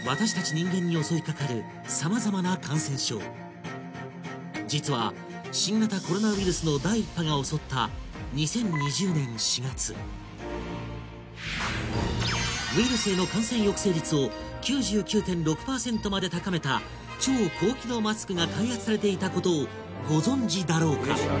人間に襲いかかるさまざまな感染症実は新型コロナウイルスの第１波が襲った２０２０年４月ウイルスへの感染抑制率を「９９．６％」まで高めた超高機能マスクが開発されていたことをご存じだろうか？